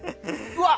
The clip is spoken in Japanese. うわ！